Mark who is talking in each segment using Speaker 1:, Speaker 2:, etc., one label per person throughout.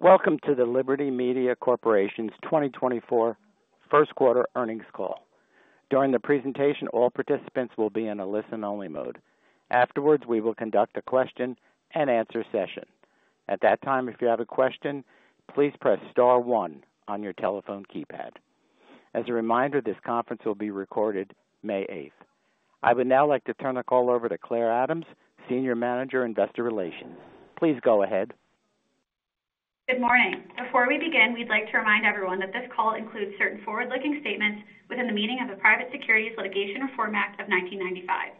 Speaker 1: Welcome to the Liberty Media Corporation's 2024 First-Quarter Earnings Call. During the presentation, all participants will be in a listen-only mode. Afterwards, we will conduct a question-and-answer session. At that time, if you have a question, please press star 1 on your telephone keypad. As a reminder, this conference will be recorded May 8th. I would now like to turn the call over to Clare Adams, Senior Manager, Investor Relations. Please go ahead.
Speaker 2: Good morning. Before we begin, we'd like to remind everyone that this call includes certain forward-looking statements within the meaning of the Private Securities Litigation Reform Act of 1995.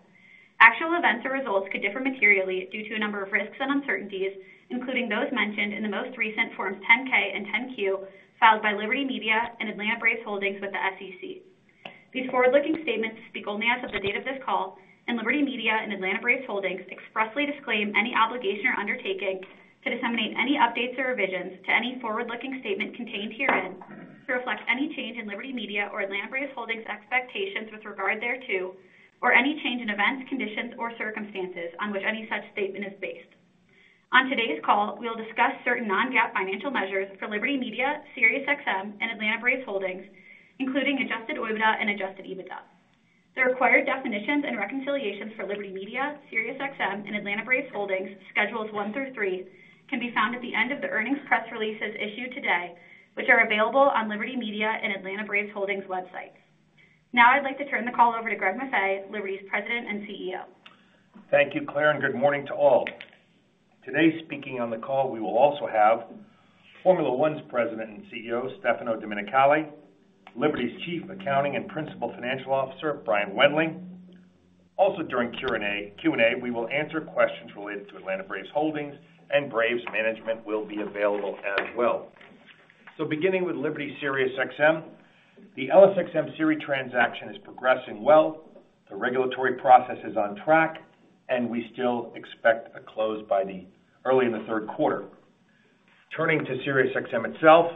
Speaker 2: Actual events or results could differ materially due to a number of risks and uncertainties, including those mentioned in the most recent Forms 10-K and 10-Q filed by Liberty Media and Atlanta Braves Holdings with the SEC. These forward-looking statements speak only as of the date of this call, and Liberty Media and Atlanta Braves Holdings expressly disclaim any obligation or undertaking to disseminate any updates or revisions to any forward-looking statement contained herein to reflect any change in Liberty Media or Atlanta Braves Holdings' expectations with regard thereto, or any change in events, conditions, or circumstances on which any such statement is based. On today's call, we will discuss certain non-GAAP financial measures for Liberty Media, SiriusXM, and Atlanta Braves Holdings, including adjusted OIBDA and adjusted EBITDA. The required definitions and reconciliations for Liberty Media, SiriusXM, and Atlanta Braves Holdings, Schedules 1 through 3, can be found at the end of the earnings press releases issued today, which are available on Liberty Media and Atlanta Braves Holdings' websites. Now I'd like to turn the call over to Greg Maffei, Liberty's President and CEO.
Speaker 3: Thank you, Clare, and good morning to all. Today, speaking on the call, we will also have Formula One's president and CEO, Stefano Domenicali, Liberty's chief accounting and principal financial officer, Brian Wendling. Also during Q&A, we will answer questions related to Atlanta Braves Holdings, and Braves management will be available as well. Beginning with Liberty SiriusXM, the LSXMA-SiriusXM transaction is progressing well. The regulatory process is on track, and we still expect a close early in the third quarter. Turning to SiriusXM itself,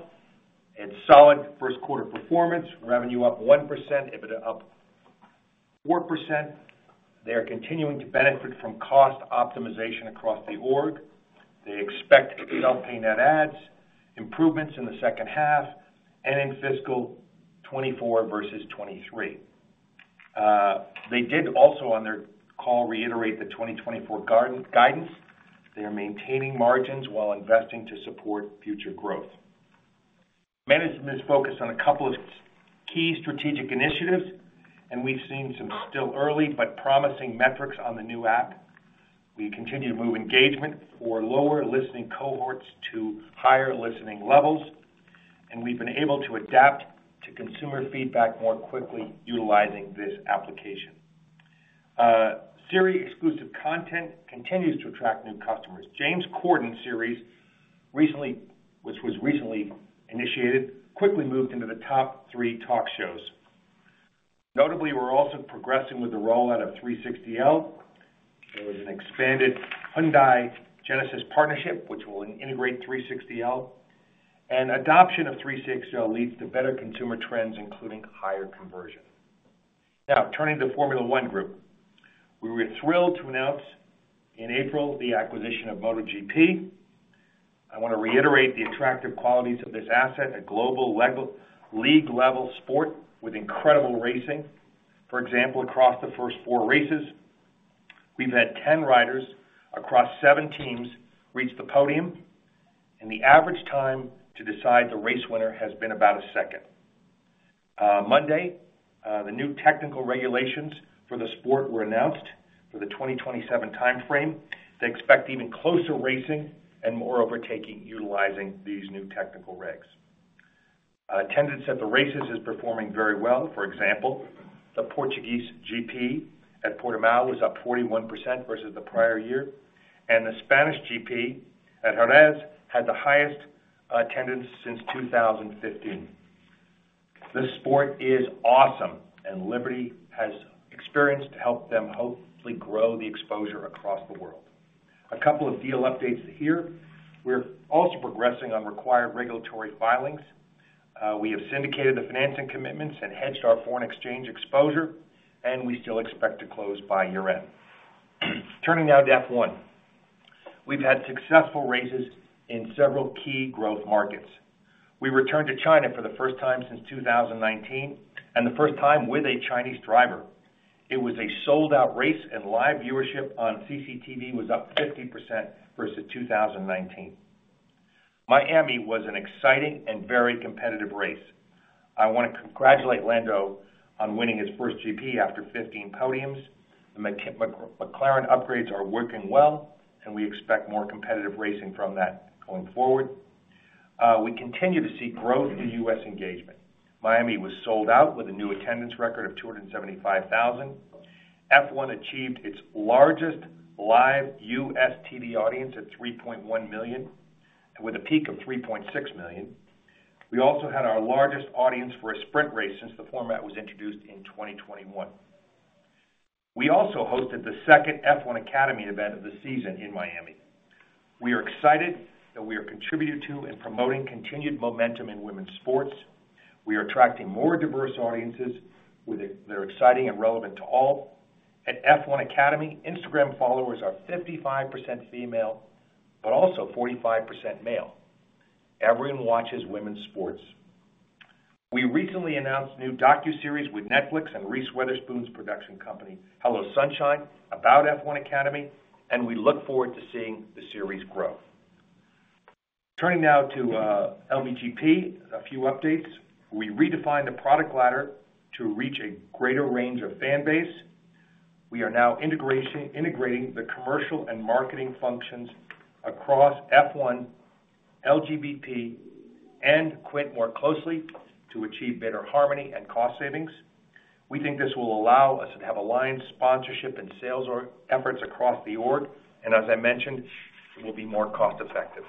Speaker 3: it's solid first-quarter performance, revenue up 1%, EBITDA up 4%. They are continuing to benefit from cost optimization across the org. They expect self-pay net adds, improvements in the second half, and in fiscal 2024 versus 2023. They did also on their call reiterate the 2024 guidance. They are maintaining margins while investing to support future growth. Management is focused on a couple of key strategic initiatives, and we've seen some still early but promising metrics on the new app. We continue to move engagement for lower listening cohorts to higher listening levels, and we've been able to adapt to consumer feedback more quickly utilizing this application. Sirius exclusive content continues to attract new customers. James Corden series, which was recently initiated, quickly moved into the top three talk shows. Notably, we're also progressing with the rollout of 360L. There was an expanded Hyundai-Genesis partnership, which will integrate 360L. And adoption of 360L leads to better consumer trends, including higher conversion. Now, turning to Formula One Group, we were thrilled to announce in April the acquisition of MotoGP. I want to reiterate the attractive qualities of this asset, a global league-level sport with incredible racing. For example, across the first four races, we've had 10 riders across seven teams reach the podium, and the average time to decide the race winner has been about a second. Monday, the new technical regulations for the sport were announced for the 2027 time frame. They expect even closer racing and more overtaking utilizing these new technical regs. Attendance at the races is performing very well. For example, the Portuguese GP at Portimão was up 41% versus the prior year, and the Spanish GP at Jerez had the highest attendance since 2015. This sport is awesome, and Liberty has experience to help them hopefully grow the exposure across the world. A couple of deal updates here. We're also progressing on required regulatory filings. We have syndicated the financing commitments and hedged our foreign exchange exposure, and we still expect to close by year-end. Turning now to F1. We've had successful races in several key growth markets. We returned to China for the first time since 2019, and the first time with a Chinese driver. It was a sold-out race, and live viewership on CCTV was up 50% versus 2019. Miami was an exciting and very competitive race. I want to congratulate Lando on winning his first GP after 15 podiums. The McLaren upgrades are working well, and we expect more competitive racing from that going forward. We continue to see growth in U.S. engagement. Miami was sold out with a new attendance record of 275,000. F1 achieved its largest live U.S. TV audience at 3.1 million, with a peak of 3.6 million. We also had our largest audience for a sprint race since the format was introduced in 2021. We also hosted the second F1 Academy event of the season in Miami. We are excited that we are contributing to and promoting continued momentum in women's sports. We are attracting more diverse audiences, which are exciting and relevant to all. At F1 Academy, Instagram followers are 55% female but also 45% male. Everyone watches women's sports. We recently announced new docuseries with Netflix and Reese Witherspoon's production company, Hello Sunshine, about F1 Academy, and we look forward to seeing the series grow. Turning now to LVGP, a few updates. We redefined the product ladder to reach a greater range of fan base. We are now integrating the commercial and marketing functions across F1, LVGP, and Quint more closely to achieve better harmony and cost savings. We think this will allow us to have aligned sponsorship and sales efforts across the org, and as I mentioned, it will be more cost-effective.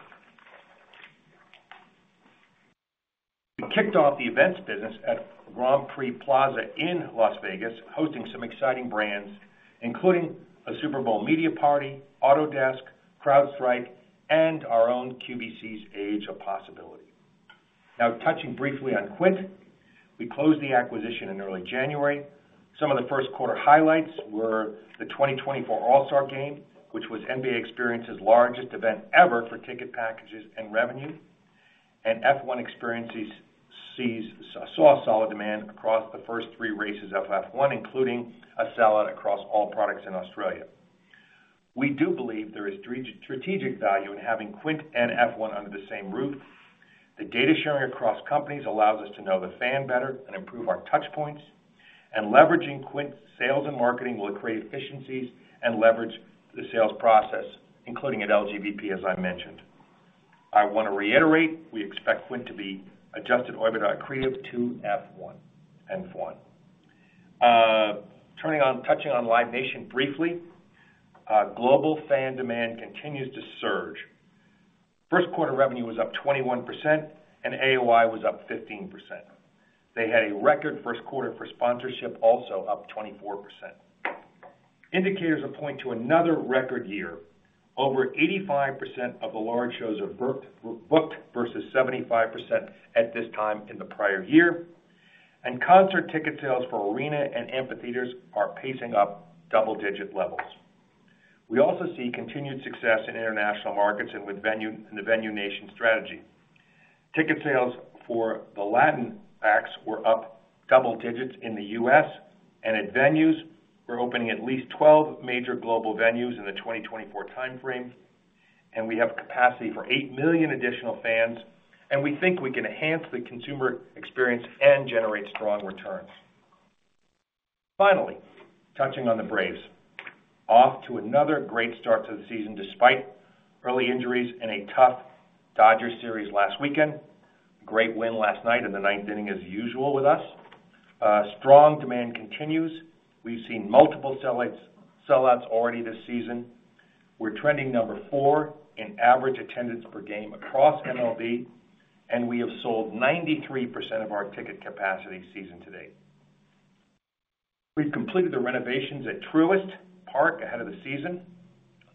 Speaker 3: We kicked off the events business at Grand Prix Plaza in Las Vegas, hosting some exciting brands, including a Super Bowl media party, Autodesk, CrowdStrike, and our own QVC's Age of Possibility. Now, touching briefly on Quint, we closed the acquisition in early January. Some of the first-quarter highlights were the 2024 All-Star Game, which was NBA Experience's largest event ever for ticket packages and revenue, and F1 Experience saw solid demand across the first three races of F1, including a sell-out across all products in Australia. We do believe there is strategic value in having Quint and F1 under the same roof. The data sharing across companies allows us to know the fan better and improve our touchpoints, and leveraging Quint's sales and marketing will create efficiencies and leverage the sales process, including at LVGP, as I mentioned. I want to reiterate, we expect Quint to be Adjusted OIBA accretive to F1. Turning to, touching on Live Nation briefly, global fan demand continues to surge. First-quarter revenue was up 21%, and AOI was up 15%. They had a record first-quarter for sponsorship, also up 24%. Indicators point to another record year. Over 85% of the large shows are booked versus 75% at this time in the prior year, and concert ticket sales for arena and amphitheaters are pacing up double-digit levels. We also see continued success in international markets and within the Venue Nation strategy. Ticket sales for the Latin acts were up double digits in the U.S., and at venues, we're opening at least 12 major global venues in the 2024 time frame, and we have capacity for 8 million additional fans, and we think we can enhance the consumer experience and generate strong returns. Finally, touching on the Braves, off to another great start to the season despite early injuries in a tough Dodgers series last weekend. Great win last night in the ninth inning, as usual with us. Strong demand continues. We've seen multiple sell-outs already this season. We're trending number 4 in average attendance per game across MLB, and we have sold 93% of our ticket capacity season to date. We've completed the renovations at Truist Park ahead of the season.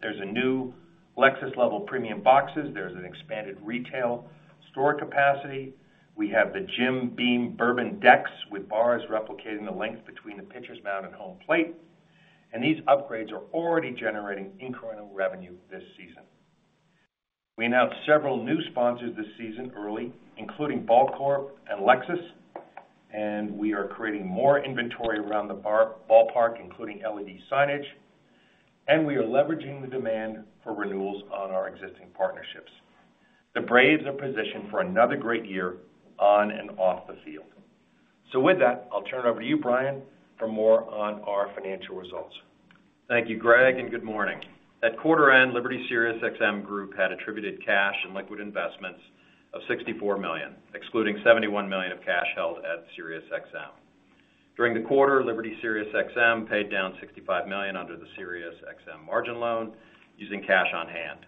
Speaker 3: There's a new Lexus-level premium boxes. There's an expanded retail store capacity. We have the Jim Beam Bourbon Decks with bars replicating the length between the pitcher's mound and home plate, and these upgrades are already generating incremental revenue this season. We announced several new sponsors this season early, including Ball Corp and Lexus, and we are creating more inventory around the ballpark, including LED signage, and we are leveraging the demand for renewals on our existing partnerships. The Braves are positioned for another great year on and off the field. So with that, I'll turn it over to you, Brian, for more on our financial results.
Speaker 4: Thank you, Greg, and good morning. At quarter-end, Liberty SiriusXM Group had attributed cash and liquid investments of $64 million, excluding $71 million of cash held at SiriusXM. During the quarter, Liberty SiriusXM paid down $65 million under the SiriusXM margin loan using cash on hand.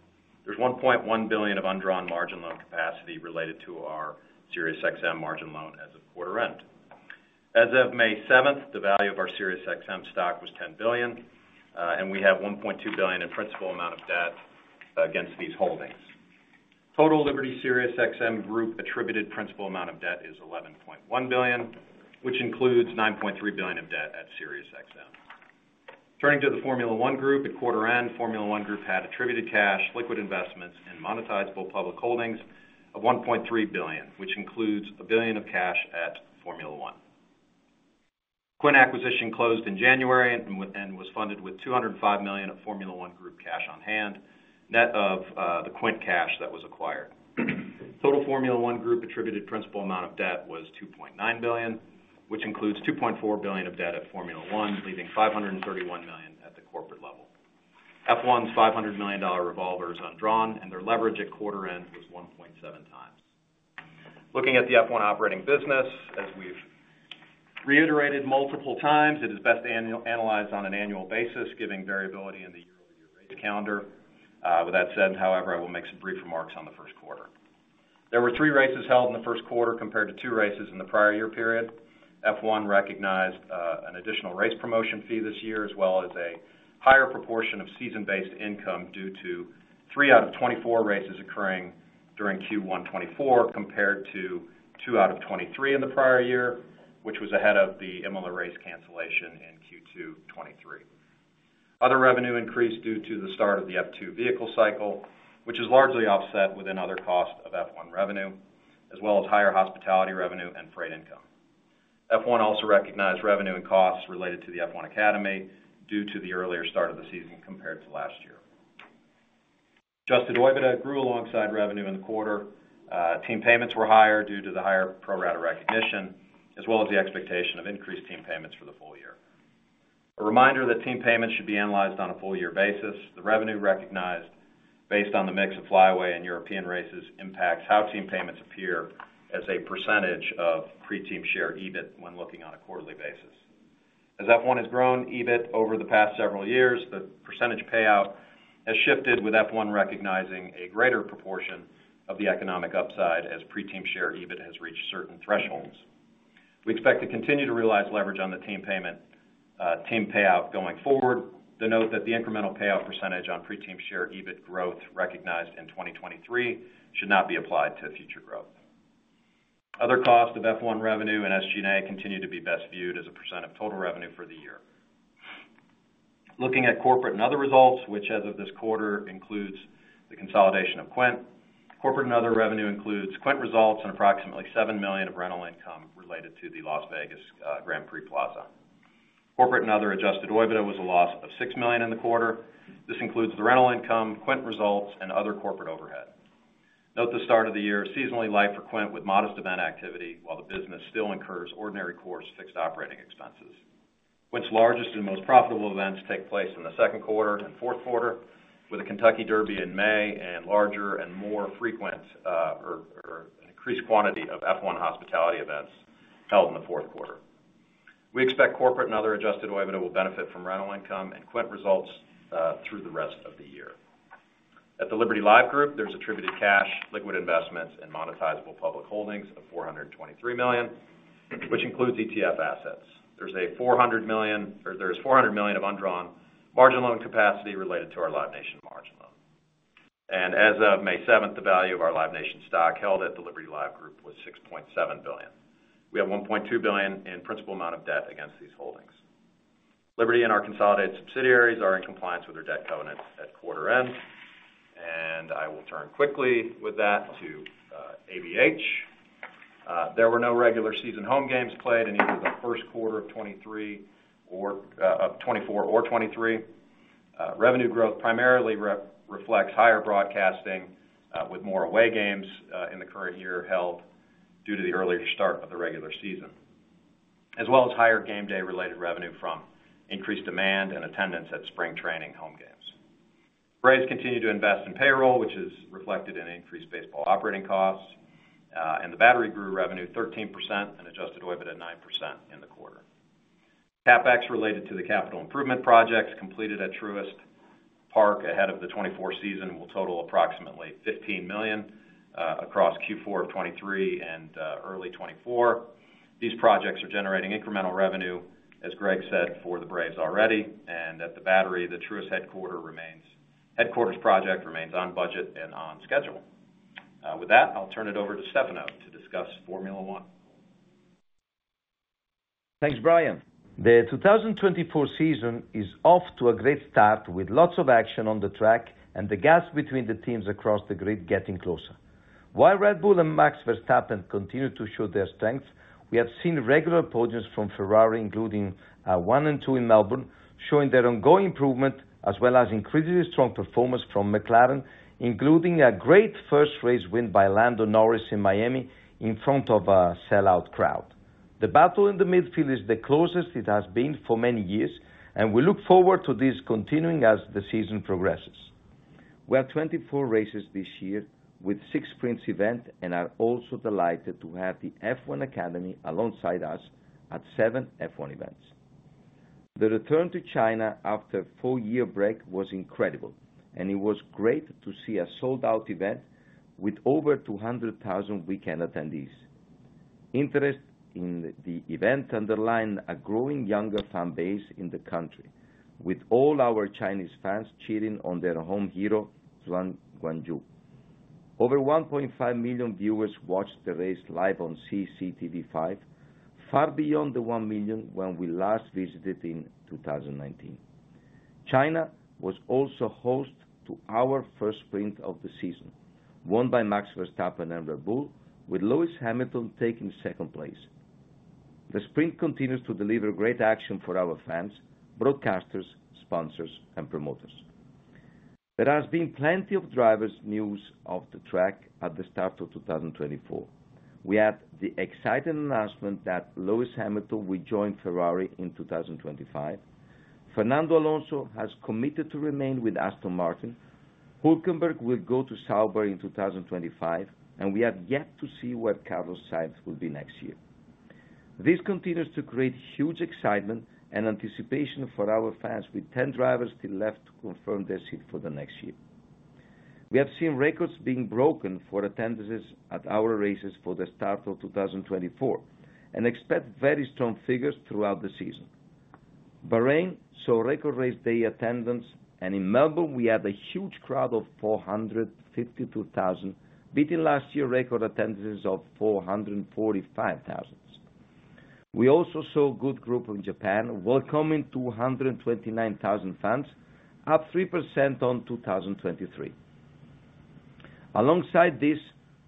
Speaker 4: There's $1.1 billion of undrawn margin loan capacity related to our SiriusXM margin loan as of quarter-end. As of May 7th, the value of our SiriusXM stock was $10 billion, and we have $1.2 billion in principal amount of debt against these holdings. Total Liberty SiriusXM Group attributed principal amount of debt is $11.1 billion, which includes $9.3 billion of debt at SiriusXM. Turning to the Formula One Group, at quarter-end, Formula One Group had attributed cash, liquid investments, and monetizable public holdings of $1.3 billion, which includes $1 billion of cash at Formula One. Quint acquisition closed in January and was funded with $205 million of Formula One Group cash on hand, net of the Quint cash that was acquired. Total Formula One Group attributed principal amount of debt was $2.9 billion, which includes $2.4 billion of debt at Formula One, leaving $531 million at the corporate level. F1's $500 million revolver is undrawn, and their leverage at quarter-end was 1.7 times. Looking at the F1 operating business, as we've reiterated multiple times, it is best analyzed on an annual basis, given variability in the year-over-year race calendar. With that said, however, I will make some brief remarks on the first quarter. There were three races held in the first quarter compared to two races in the prior year period. F1 recognized an additional race promotion fee this year, as well as a higher proportion of season-based income due to three out of 24 races occurring during Q1 2024 compared to two out of 23 in the prior year, which was ahead of the Imola race cancellation in Q2 2023. Other revenue increased due to the start of the F2 vehicle cycle, which is largely offset within other costs of F1 revenue, as well as higher hospitality revenue and freight income. F1 also recognized revenue and costs related to the F1 Academy due to the earlier start of the season compared to last year. Adjusted OIBA grew alongside revenue in the quarter. Team payments were higher due to the higher pro rata recognition, as well as the expectation of increased team payments for the full year. A reminder that team payments should be analyzed on a full-year basis. The revenue recognized based on the mix of flyaway and European races impacts how team payments appear as a percentage of pre-team share EBIT when looking on a quarterly basis. As F1 has grown EBIT over the past several years, the percentage payout has shifted, with F1 recognizing a greater proportion of the economic upside as pre-team share EBIT has reached certain thresholds. We expect to continue to realize leverage on the team payout going forward. To note that the incremental payout percentage on pre-team share EBIT growth recognized in 2023 should not be applied to future growth. Other costs of F1 revenue and SG&A continue to be best viewed as a percent of total revenue for the year. Looking at corporate and other results, which as of this quarter includes the consolidation of Quint, corporate and other revenue includes Quint results and approximately $7 million of rental income related to the Las Vegas Grand Prix Plaza. Corporate and other adjusted OIBA was a loss of $6 million in the quarter. This includes the rental income, Quint results, and other corporate overhead. Note the start of the year, seasonally light for Quint with modest event activity, while the business still incurs ordinary course fixed operating expenses. Quint's largest and most profitable events take place in the second quarter and fourth quarter, with a Kentucky Derby in May and larger and more frequent or an increased quantity of F1 hospitality events held in the fourth quarter. We expect corporate and other adjusted OIBA will benefit from rental income and Quint results through the rest of the year. At the Liberty Live Group, there's attributed cash, liquid investments, and monetizable public holdings of $423 million, which includes ETF assets. There's $400 million or there is $400 million of undrawn margin loan capacity related to our Live Nation margin loan. As of May 7th, the value of our Live Nation stock held at the Liberty Live Group was $6.7 billion. We have $1.2 billion in principal amount of debt against these holdings. Liberty and our consolidated subsidiaries are in compliance with their debt covenants at quarter-end. I will turn quickly with that to ABH. There were no regular season home games played in either the first quarter of 2023 or 2024 or 2023. Revenue growth primarily reflects higher broadcasting with more away games in the current year held due to the earlier start of the regular season, as well as higher game day-related revenue from increased demand and attendance at spring training home games. Braves continue to invest in payroll, which is reflected in increased baseball operating costs, and the battery grew revenue 13% and adjusted OIBA at 9% in the quarter. CapEx related to the capital improvement projects completed at Truist Park ahead of the 2024 season will total approximately $15 million across Q4 of 2023 and early 2024. These projects are generating incremental revenue, as Greg said, for the Braves already. And at the battery, the Truist headquarters project remains on budget and on schedule. With that, I'll turn it over to Stefano to discuss Formula One.
Speaker 5: Thanks, Brian. The 2024 season is off to a great start with lots of action on the track and the gaps between the teams across the grid getting closer. While Red Bull and Max Verstappen continue to show their strength, we have seen regular podiums from Ferrari, including 1 and 2 in Melbourne, showing their ongoing improvement as well as increasingly strong performance from McLaren, including a great first race win by Lando Norris in Miami in front of a sell-out crowd. The battle in the midfield is the closest it has been for many years, and we look forward to this continuing as the season progresses. We have 24 races this year with 6 Sprints events and are also delighted to have the F1 Academy alongside us at 7 F1 events. The return to China after a four-year break was incredible, and it was great to see a sold-out event with over 200,000 weekend attendees. Interest in the event underlined a growing younger fan base in the country, with all our Chinese fans cheering on their home hero, Zhou Guanyu. Over 1.5 million viewers watched the race live on CCTV5, far beyond the 1 million when we last visited in 2019. China was also host to our first Sprint of the season, won by Max Verstappen and Red Bull, with Lewis Hamilton taking second place. The Sprint continues to deliver great action for our fans, broadcasters, sponsors, and promoters. There has been plenty of drivers' news off the track at the start of 2024. We had the exciting announcement that Lewis Hamilton will join Ferrari in 2025. Fernando Alonso has committed to remain with Aston Martin. Hülkenberg will go to Sauber in 2025, and we have yet to see where Carlos Sainz will be next year. This continues to create huge excitement and anticipation for our fans, with 10 drivers still left to confirm their seat for the next year. We have seen records being broken for attendances at our races for the start of 2024 and expect very strong figures throughout the season. Bahrain saw record race day attendance, and in Melbourne, we had a huge crowd of 452,000, beating last year's record attendances of 445,000. We also saw a good group in Japan welcoming 229,000 fans, up 3% on 2023. Alongside this,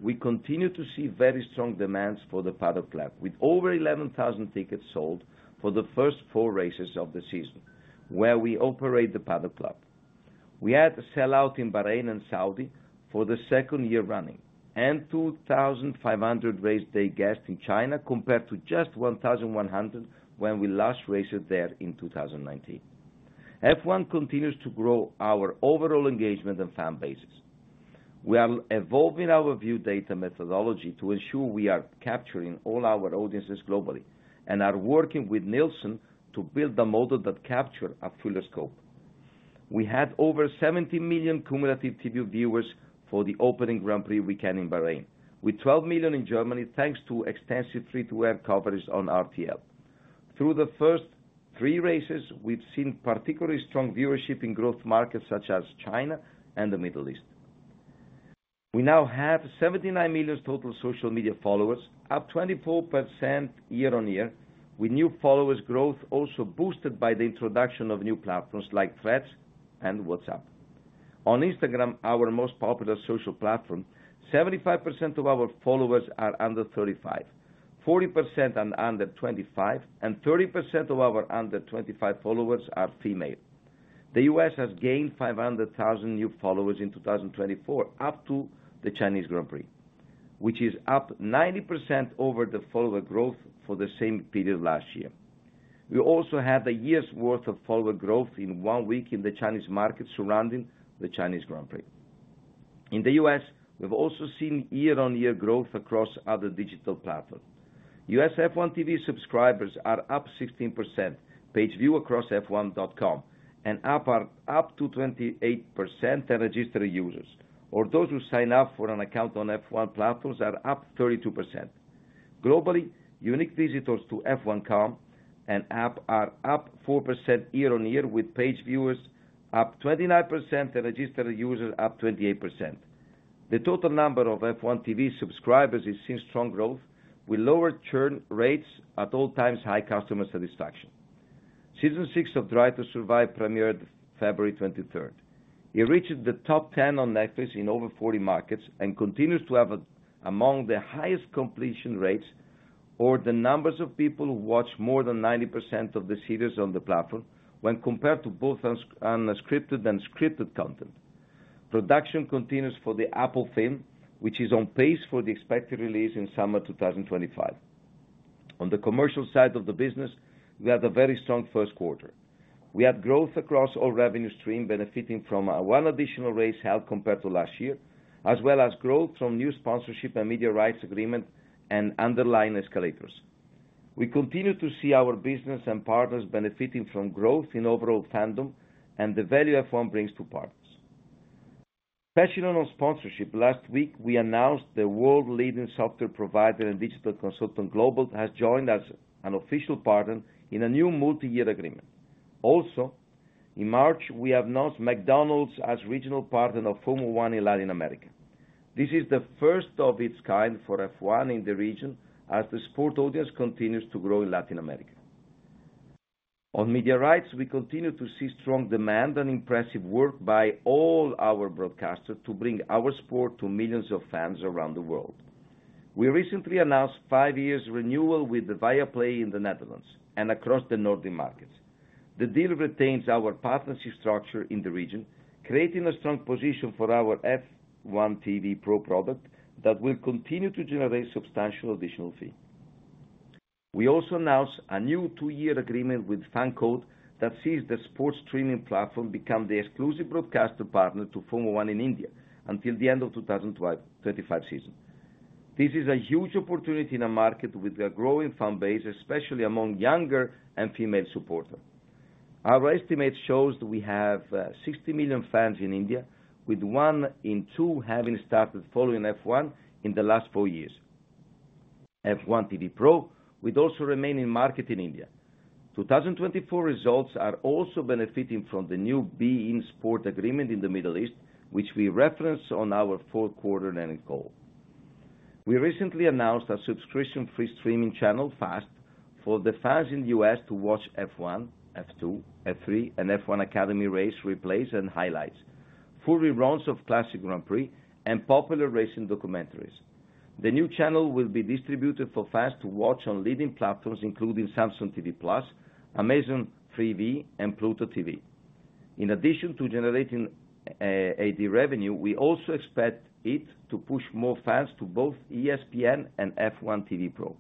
Speaker 5: we continue to see very strong demands for the Paddock Club, with over 11,000 tickets sold for the first four races of the season where we operate the Paddock Club. We had a sell-out in Bahrain and Saudi for the second year running and 2,500 race day guests in China compared to just 1,100 when we last raced there in 2019. F1 continues to grow our overall engagement and fan bases. We are evolving our view data methodology to ensure we are capturing all our audiences globally and are working with Nielsen to build a model that captures a fuller scope. We had over 70 million cumulative TV viewers for the opening Grand Prix weekend in Bahrain, with 12 million in Germany thanks to extensive free-to-air coverage on RTL. Through the first three races, we've seen particularly strong viewership in growth markets such as China and the Middle East. We now have 79 million total social media followers, up 24% year-over-year, with new followers growth also boosted by the introduction of new platforms like Threads and WhatsApp. On Instagram, our most popular social platform, 75% of our followers are under 35, 40% are under 25, and 30% of our under 25 followers are female. The U.S. has gained 500,000 new followers in 2024, up to the Chinese Grand Prix, which is up 90% over the follower growth for the same period last year. We also had a year's worth of follower growth in one week in the Chinese market surrounding the Chinese Grand Prix. In the U.S., we've also seen year-on-year growth across other digital platforms. U.S. F1 TV subscribers are up 16% page view across f1.com, and up to 28% are registered users, or those who sign up for an account on F1 platforms are up 32%. Globally, unique visitors to f1.com and app are up 4% year-on-year, with page viewers up 29% and registered users up 28%. The total number of F1 TV subscribers is seeing strong growth, with lower churn rates at all-time high customer satisfaction. Season 6 of Drive to Survive premiered February 23rd. It reached the top 10 on Netflix in over 40 markets and continues to have among the highest completion rates, or the numbers of people who watch more than 90% of the series on the platform when compared to both unscripted and scripted content. Production continues for the Apple film, which is on pace for the expected release in summer 2025. On the commercial side of the business, we had a very strong first quarter. We had growth across all revenue streams, benefiting from one additional race held compared to last year, as well as growth from new sponsorship and media rights agreement and underlying escalators. We continue to see our business and partners benefiting from growth in overall fandom and the value F1 brings to partners. Passionate on sponsorship, last week, we announced the world-leading software provider and digital consultant Globant has joined as an official partner in a new multi-year agreement. Also, in March, we announced McDonald's as regional partner of Formula One in Latin America. This is the first of its kind for F1 in the region as the sport audience continues to grow in Latin America. On media rights, we continue to see strong demand and impressive work by all our broadcasters to bring our sport to millions of fans around the world. We recently announced five years' renewal with the Viaplay in the Netherlands and across the Nordic markets. The deal retains our partnership structure in the region, creating a strong position for our F1 TV Pro product that will continue to generate substantial additional fee. We also announced a new two-year agreement with FanCode that sees the sports streaming platform become the exclusive broadcaster partner to Formula One in India until the end of the 2025 season. This is a huge opportunity in a market with a growing fan base, especially among younger and female supporters. Our estimate shows that we have 60 million fans in India, with 1 in 2 having started following F1 in the last four years. F1 TV Pro would also remain in market in India. 2024 results are also benefiting from the new beIN SPORTS agreement in the Middle East, which we referenced on our fourth quarter earnings call. We recently announced a subscription-free streaming channel, FAST, for the fans in the US to watch F1, F2, F3, and F1 Academy race replays and highlights, full reruns of classic Grand Prix, and popular racing documentaries. The new channel will be distributed for fans to watch on leading platforms, including Samsung TV Plus, Amazon Freevee, and Pluto TV. In addition to generating ad revenue, we also expect it to push more fans to both ESPN and F1 TV Pro.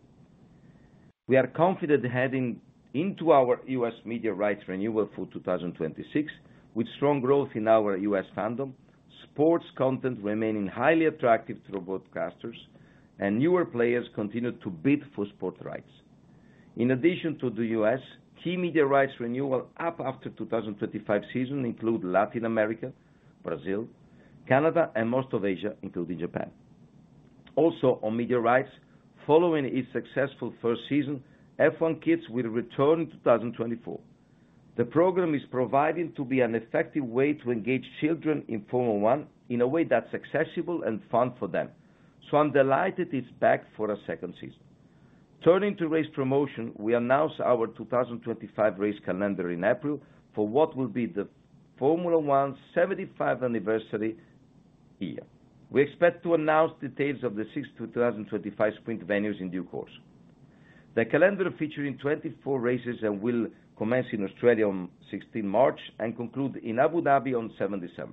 Speaker 5: We are confident heading into our US media rights renewal for 2026 with strong growth in our US fandom, sports content remaining highly attractive to broadcasters, and newer players continue to bid for sports rights. In addition to the US, key media rights renewal up after the 2025 season includes Latin America, Brazil, Canada, and most of Asia, including Japan. Also, on media rights, following its successful first season, F1 Kids will return in 2024. The program is provided to be an effective way to engage children in Formula One in a way that's accessible and fun for them. So I'm delighted it's back for a second season. Turning to race promotion, we announced our 2025 race calendar in April for what will be the Formula One 75th anniversary year. We expect to announce details of the 6th to 2025 Sprint venues in due course. The calendar featuring 24 races will commence in Australia on 16 March and conclude in Abu Dhabi on 7 December.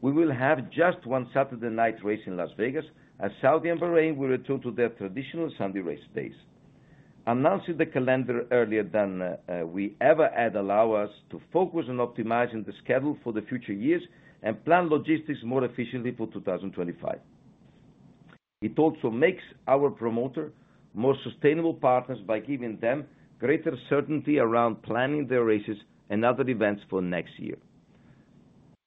Speaker 5: We will have just one Saturday night race in Las Vegas, and Saudi and Bahrain will return to their traditional Sunday race days. Announcing the calendar earlier than we ever had allowed us to focus on optimizing the schedule for the future years and plan logistics more efficiently for 2025. It also makes our promoters more sustainable partners by giving them greater certainty around planning their races and other events for next year.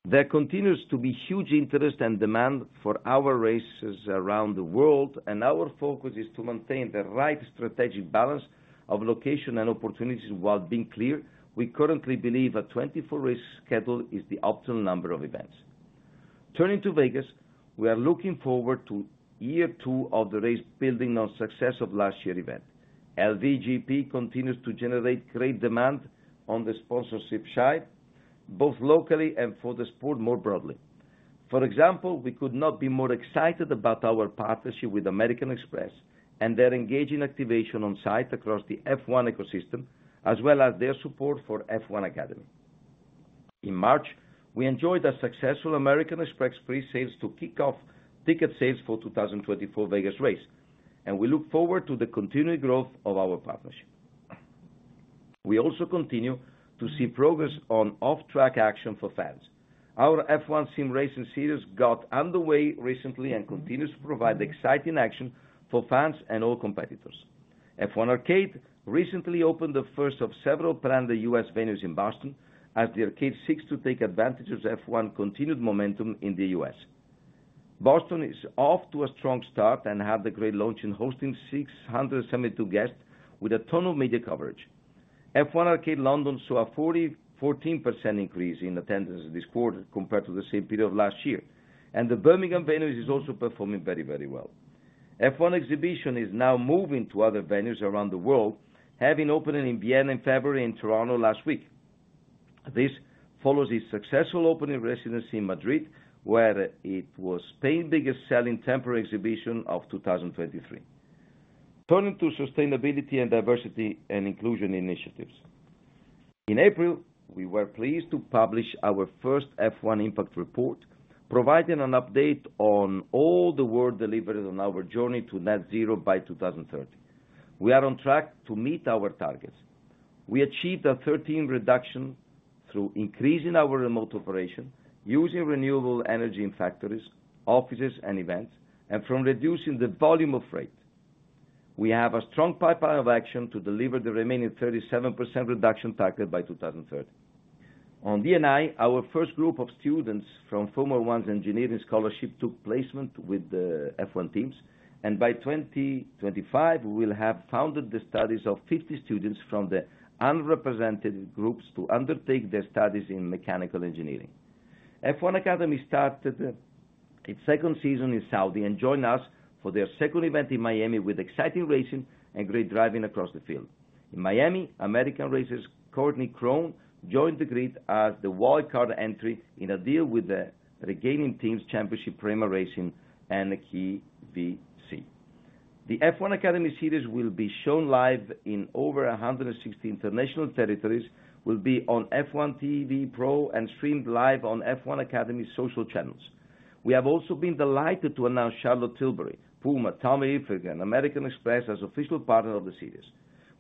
Speaker 5: There continues to be huge interest and demand for our races around the world, and our focus is to maintain the right strategic balance of location and opportunities while being clear. We currently believe a 24-race schedule is the optimal number of events. Turning to Vegas, we are looking forward to year 2 of the race building on success of last year's event. LVGP continues to generate great demand on the sponsorship side, both locally and for the sport more broadly. For example, we could not be more excited about our partnership with American Express and their engaging activation on site across the F1 ecosystem, as well as their support for F1 Academy. In March, we enjoyed a successful American Express presales to kick off ticket sales for 2024 Vegas race, and we look forward to the continued growth of our partnership. We also continue to see progress on off-track action for fans. Our F1 sim racing series got underway recently and continues to provide exciting action for fans and all competitors. F1 Arcade recently opened the first of several planned U.S. venues in Boston as the arcade seeks to take advantage of F1's continued momentum in the U.S. Boston is off to a strong start and had a great launch in hosting 672 guests with a ton of media coverage. F1 Arcade London saw a 40%, 14% increase in attendance this quarter compared to the same period of last year, and the Birmingham venue is also performing very, very well. F1 Exhibition is now moving to other venues around the world, having opened in Vienna in February and Toronto last week. This follows its successful opening residency in Madrid, where it was Spain's biggest-selling temporary exhibition of 2023. Turning to sustainability and diversity and inclusion initiatives. In April, we were pleased to publish our first F1 Impact Report, providing an update on all the work delivered on our journey to net zero by 2030. We are on track to meet our targets. We achieved a 13% reduction through increasing our remote operation, using renewable energy in factories, offices, and events, and from reducing the volume of freight. We have a strong pipeline of action to deliver the remaining 37% reduction target by 2030. On D&I, our first group of students from Formula One's engineering scholarship took placement with the F1 teams, and by 2025, we will have funded the studies of 50 students from the unrepresented groups to undertake their studies in mechanical engineering. F1 Academy started its second season in Saudi and joined us for their second event in Miami with exciting racing and great driving across the field. In Miami, American racer Courtney Crone joined the grid as the wildcard entry in a deal with the reigning teams Championship PREMA Racing and the QVC. The F1 Academy series will be shown live in over 160 international territories, will be on F1 TV Pro, and streamed live on F1 Academy social channels. We have also been delighted to announce Charlotte Tilbury, Puma, Tommy Hilfiger, American Express as official partners of the series.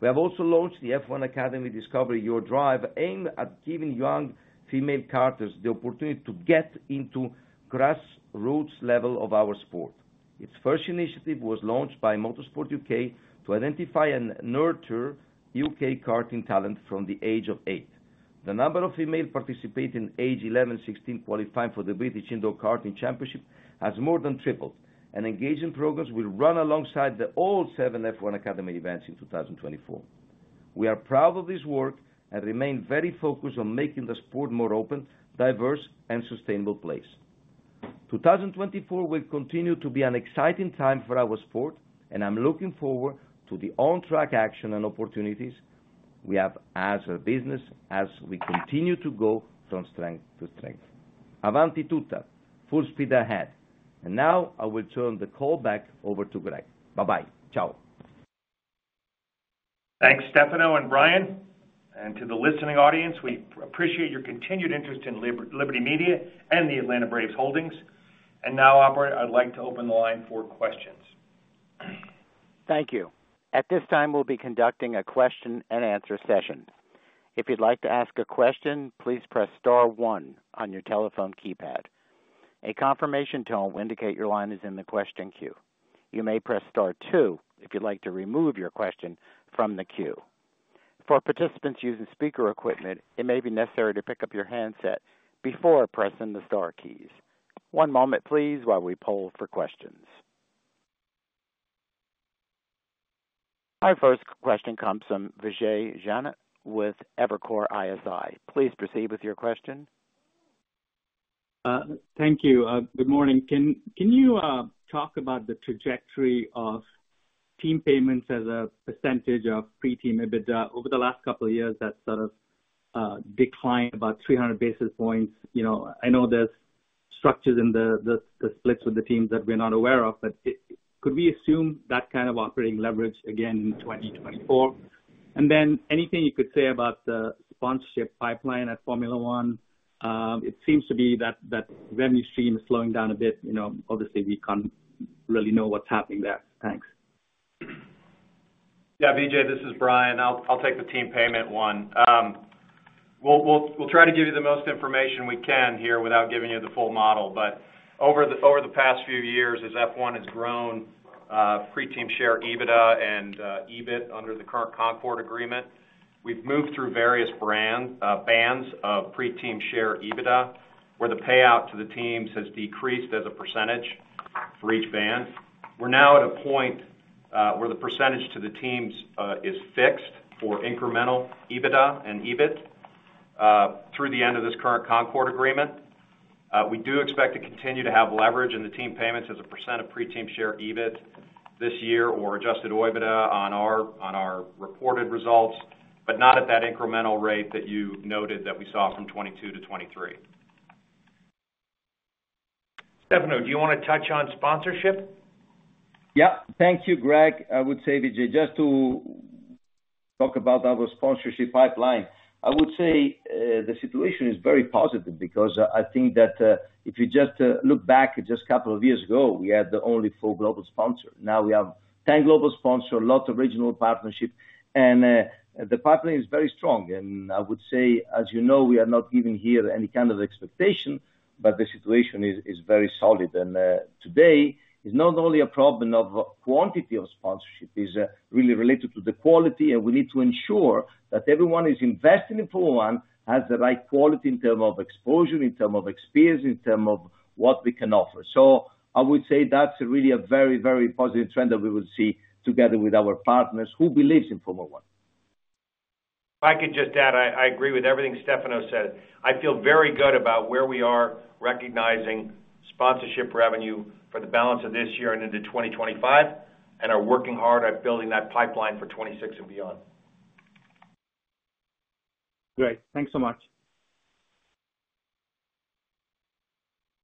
Speaker 5: We have also launched the F1 Academy Discover Your Drive, aimed at giving young female karters the opportunity to get into grassroots level of our sport. Its first initiative was launched by Motorsport UK to identify and nurture UK karting talent from the age of eight. The number of female participating age 11-16 qualifying for the British Indoor Karting Championship has more than tripled, and engagement programs will run alongside the all seven F1 Academy events in 2024. We are proud of this work and remain very focused on making the sport more open, diverse, and sustainable place. 2024 will continue to be an exciting time for our sport, and I'm looking forward to the on-track action and opportunities we have as a business as we continue to go from strength to strength. Avanti tutta, full speed ahead. And now I will turn the call back over to Greg. Bye-bye. Ciao.
Speaker 1: Thanks, Stefano and Brian. And to the listening audience, we appreciate your continued interest in Liberty Media and the Atlanta Braves Holdings. And now, Albert, I'd like to open the line for questions. Thank you. At this time, we'll be conducting a question-and-answer session. If you'd like to ask a question, please press star 1 on your telephone keypad. A confirmation tone will indicate your line is in the question queue. You may press star 2 if you'd like to remove your question from the queue. For participants using speaker equipment, it may be necessary to pick up your handset before pressing the star keys. One moment, please, while we poll for questions. Our first question comes from Vijay Jayant with Evercore ISI. Please proceed with your question.
Speaker 6: Thank you. Good morning. Can you talk about the trajectory of team payments as a percentage of pre-team EBITDA over the last couple of years that sort of declined about 300 basis points? I know there's structures in the splits with the teams that we're not aware of, but could we assume that kind of operating leverage again in 2024? And then anything you could say about the sponsorship pipeline at Formula One? It seems to be that revenue stream is slowing down a bit. Obviously, we can't really know what's happening there. Thanks.
Speaker 4: Yeah, Vijay, this is Brian. I'll take the team payment one. We'll try to give you the most information we can here without giving you the full model. But over the past few years, as F1 has grown pre-team share EBITDA and EBIT under the current Concorde Agreement, we've moved through various bands of pre-team share EBITDA where the payout to the teams has decreased as a percentage for each band. We're now at a point where the percentage to the teams is fixed for incremental EBITDA and EBIT through the end of this current Concorde Agreement. We do expect to continue to have leverage in the team payments as a percent of pre-team share EBIT this year or adjusted OIBDA on our reported results, but not at that incremental rate that you noted that we saw from 2022 to 2023. Stefano, do you want to touch on sponsorship?
Speaker 5: Yep. Thank you, Greg. I would say, Vijay, just to talk about our sponsorship pipeline, I would say the situation is very positive because I think that if you just look back just a couple of years ago, we had only four global sponsors. Now we have 10 global sponsors, a lot of regional partnerships, and the pipeline is very strong. I would say, as you know, we are not giving here any kind of expectation, but the situation is very solid. Today, it's not only a problem of quantity of sponsorship. It's really related to the quality, and we need to ensure that everyone who's investing in Formula One has the right quality in terms of exposure, in terms of experience, in terms of what we can offer. So I would say that's really a very, very positive trend that we will see together with our partners who believe in Formula One.
Speaker 4: If I could just add, I agree with everything Stefano said. I feel very good about where we are recognizing sponsorship revenue for the balance of this year and into 2025 and are working hard at building that pipeline for 2026 and beyond.
Speaker 6: Great. Thanks so much.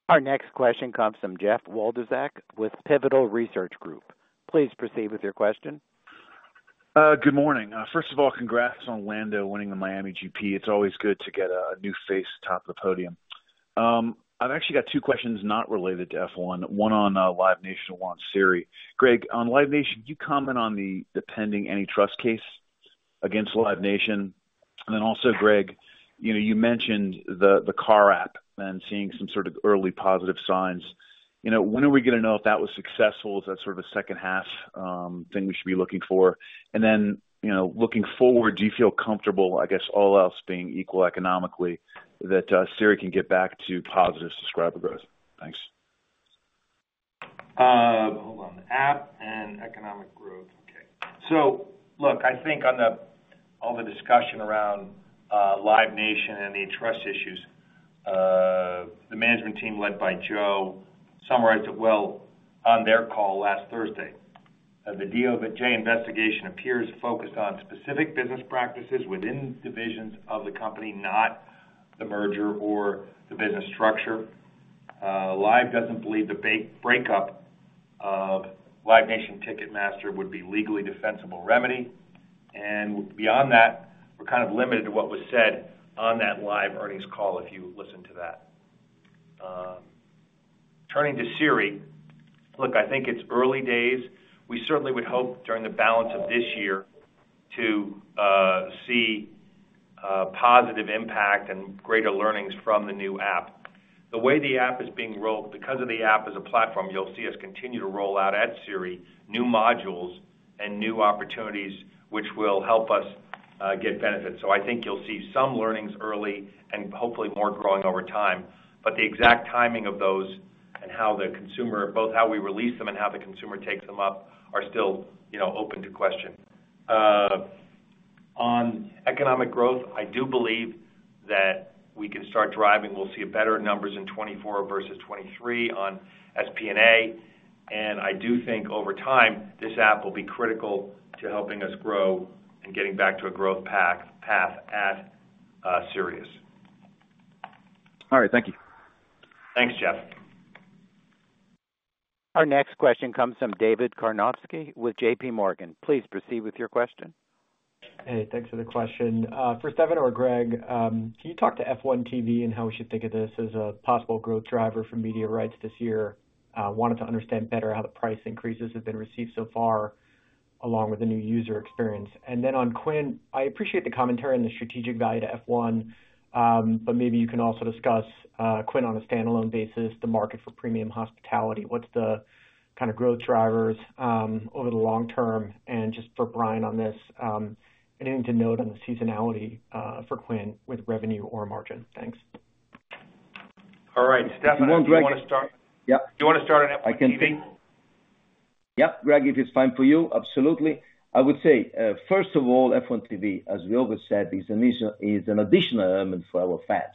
Speaker 1: Our next question comes from Jeff Wlodarczak with Pivotal Research Group. Please proceed with your question.
Speaker 7: Good morning. First of all, congrats on Lando winning the Miami GP. It's always good to get a new face atop the podium. I've actually got two questions not related to F1, one on Live Nation, one on Sirius. Greg, on Live Nation, can you comment on the pending antitrust case against Live Nation? And then also, Greg, you mentioned the car app and seeing some sort of early positive signs. When are we going to know if that was successful? Is that sort of a second-half thing we should be looking for? And then looking forward, do you feel comfortable, I guess, all else being equal economically, that Sirius can get back to positive subscriber growth? Thanks.
Speaker 3: Hold on. The app and economic growth. Okay. So look, I think on all the discussion around Live Nation and antitrust issues, the management team led by Joe summarized it well on their call last Thursday. The DOJ investigation appears focused on specific business practices within divisions of the company, not the merger or the business structure. Live doesn't believe the breakup of Live Nation Ticketmaster would be legally defensible remedy. And beyond that, we're kind of limited to what was said on that Liberty Earnings call, if you listen to that. Turning to Sirius, look, I think it's early days. We certainly would hope during the balance of this year to see positive impact and greater learnings from the new app. The way the app is being rolled because of the app as a platform, you'll see us continue to roll out at Sirius new modules and new opportunities which will help us get benefits. So I think you'll see some learnings early and hopefully more growing over time. But the exact timing of those and how the consumer both how we release them and how the consumer takes them up are still open to question. On economic growth, I do believe that we can start driving. We'll see better numbers in 2024 versus 2023 on SP&A. I do think over time, this app will be critical to helping us grow and getting back to a growth path at Sirius.
Speaker 7: All right. Thank you.
Speaker 3: Thanks, Jeff.
Speaker 1: Our next question comes from David Karnovsky with J.P. Morgan. Please proceed with your question.
Speaker 8: Hey, thanks for the question. For Stefano or Greg, can you talk to F1 TV and how we should think of this as a possible growth driver for media rights this year? I wanted to understand better how the price increases have been received so far along with the new user experience. And then on Quint, I appreciate the commentary on the strategic value to F1, but maybe you can also discuss Quint on a standalone basis, the market for premium hospitality. What's the kind of growth drivers over the long term? And just for Brian on this, anything to note on the seasonality for Quint with revenue or margin? Thanks.
Speaker 3: All right. Stefano, do you want to start?
Speaker 5: Yep.
Speaker 3: Do you want to start on F1 TV?
Speaker 5: I can begin. Yep, Greg, if it's fine for you, absolutely. I would say, first of all, F1 TV, as we always said, is an additional element for our fans.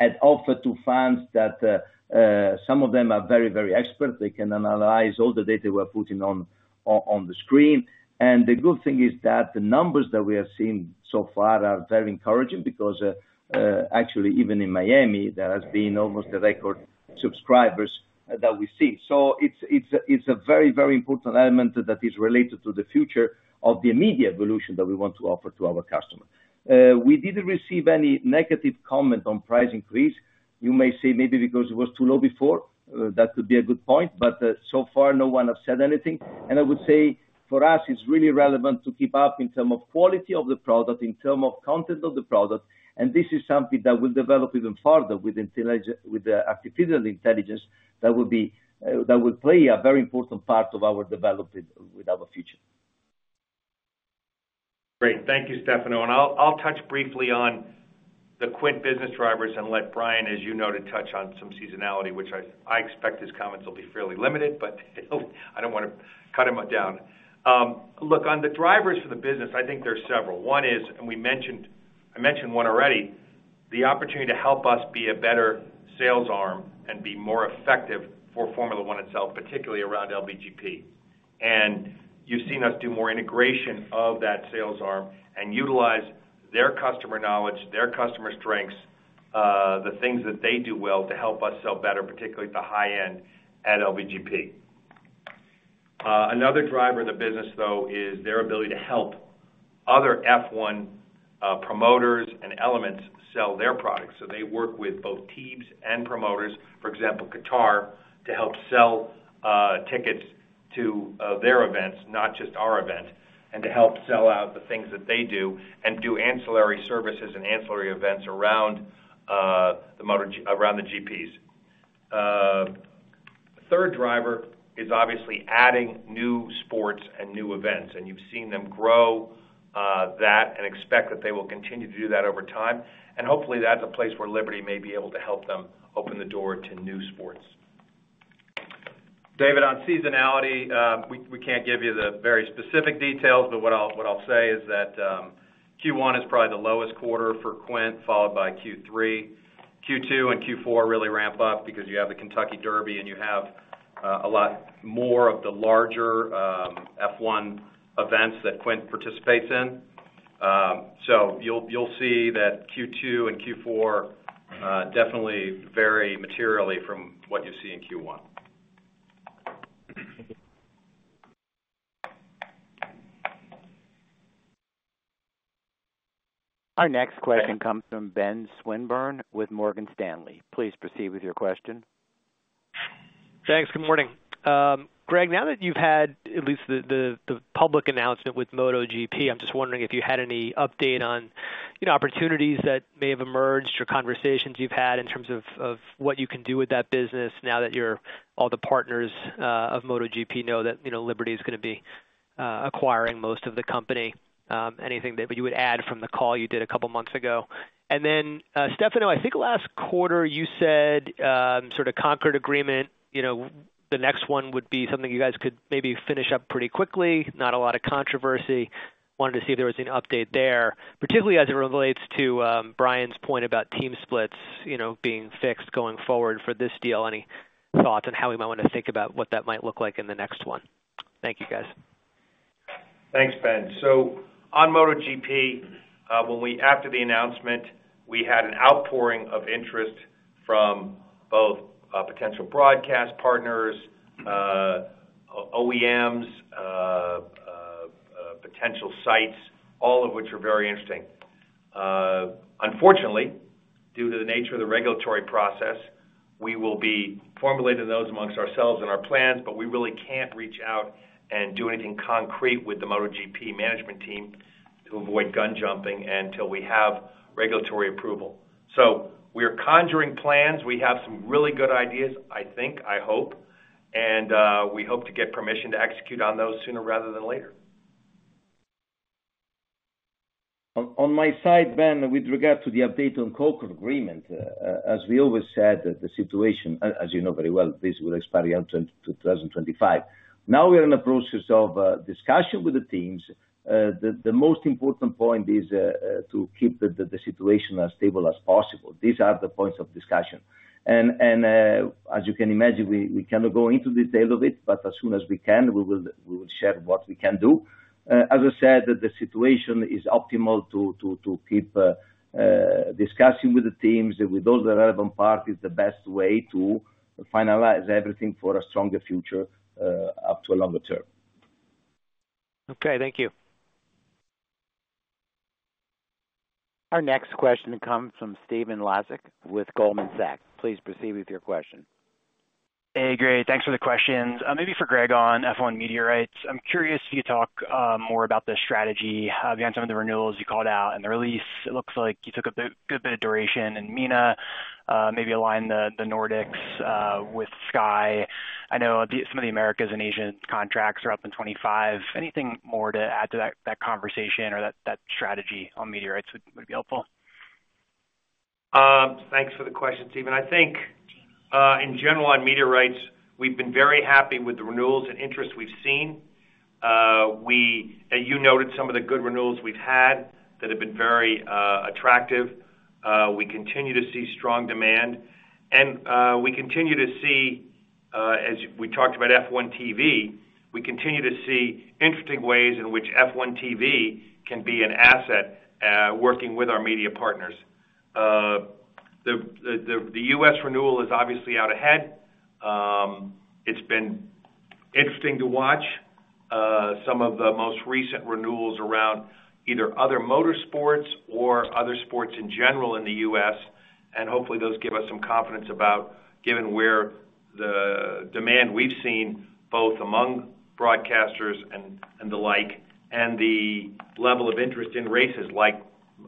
Speaker 5: It offers to fans that some of them are very, very experts. They can analyze all the data we're putting on the screen. And the good thing is that the numbers that we are seeing so far are very encouraging because, actually, even in Miami, there has been almost a record. Subscribers that we see. So it's a very, very important element that is related to the future of the media evolution that we want to offer to our customers. We didn't receive any negative comment on price increase. You may say maybe because it was too low before. That could be a good point. But so far, no one has said anything. And I would say, for us, it's really relevant to keep up in terms of quality of the product, in terms of content of the product. And this is something that will develop even further with artificial intelligence that will play a very important part of our development with our future.
Speaker 3: Great. Thank you, Stefano. And I'll touch briefly on the Quint business drivers and let Brian, as you noted, touch on some seasonality, which I expect his comments will be fairly limited, but I don't want to cut him down. Look, on the drivers for the business, I think there's several. One is, and we mentioned one already, the opportunity to help us be a better sales arm and be more effective for Formula One itself, particularly around LVGP. And you've seen us do more integration of that sales arm and utilize their customer knowledge, their customer strengths, the things that they do well to help us sell better, particularly at the high end at LVGP. Another driver of the business, though, is their ability to help other F1 promoters and elements sell their products. So they work with both teams and promoters, for example, Qatar, to help sell tickets to their events, not just our event, and to help sell out the things that they do and do ancillary services and ancillary events around the GPs. The third driver is obviously adding new sports and new events. You've seen them grow that and expect that they will continue to do that over time. Hopefully, that's a place where Liberty may be able to help them open the door to new sports.
Speaker 4: David, on seasonality, we can't give you the very specific details, but what I'll say is that Q1 is probably the lowest quarter for Quint, followed by Q3. Q2 and Q4 really ramp up because you have the Kentucky Derby, and you have a lot more of the larger F1 events that Quint participates in. So you'll see that Q2 and Q4 definitely vary materially from what you see in Q1.
Speaker 1: Our next question comes from Ben Swinburne with Morgan Stanley. Please proceed with your question. Thanks. Good morning.
Speaker 9: Greg, now that you've had at least the public announcement with MotoGP, I'm just wondering if you had any update on opportunities that may have emerged or conversations you've had in terms of what you can do with that business now that all the partners of MotoGP know that Liberty is going to be acquiring most of the company. Anything that you would add from the call you did a couple of months ago? And then, Stefano, I think last quarter, you said sort of Concorde Agreement. The next one would be something you guys could maybe finish up pretty quickly, not a lot of controversy. Wanted to see if there was any update there, particularly as it relates to Brian's point about team splits being fixed going forward for this deal. Any thoughts on how we might want to think about what that might look like in the next one? Thank you, guys.
Speaker 3: Thanks, Ben. So on MotoGP, after the announcement, we had an outpouring of interest from both potential broadcast partners, OEMs, potential sites, all of which are very interesting. Unfortunately, due to the nature of the regulatory process, we will be formulating those amongst ourselves in our plans, but we really can't reach out and do anything concrete with the MotoGP management team to avoid gun-jumping until we have regulatory approval. So we are conjuring plans. We have some really good ideas, I think, I hope. And we hope to get permission to execute on those sooner rather than later.
Speaker 5: On my side, Ben, with regard to the update on Concorde Agreement, as we always said, the situation, as you know very well, this will expire in 2025. Now we're in the process of discussion with the teams. The most important point is to keep the situation as stable as possible. These are the points of discussion. And as you can imagine, we cannot go into detail of it, but as soon as we can, we will share what we can do. As I said, the situation is optimal to keep discussing with the teams and with all the relevant parties the best way to finalize everything for a stronger future up to a longer term.
Speaker 9: Okay. Thank you.
Speaker 1: Our next question comes from Stephen Laszczyk with Goldman Sachs. Please proceed with your question.
Speaker 10: Hey, Greg. Thanks for the questions. Maybe for Greg on F1 media rights. I'm curious if you could talk more about the strategy behind some of the renewals you called out and the release. It looks like you took a good bit of duration in Miami, maybe align the Nordics with Sky. I know some of the Americas and Asian contracts are up in 2025. Anything more to add to that conversation or that strategy on media rights would be helpful?
Speaker 3: Thanks for the question, Stepen. I think, in general, on media rights, we've been very happy with the renewals and interest we've seen. You noted some of the good renewals we've had that have been very attractive. We continue to see strong demand. And we continue to see, as we talked about F1 TV, we continue to see interesting ways in which F1 TV can be an asset working with our media partners. The U.S. renewal is obviously out ahead. It's been interesting to watch some of the most recent renewals around either other motorsports or other sports in general in the U.S. Hopefully, those give us some confidence about given where the demand we've seen both among broadcasters and the like and the level of interest in races, like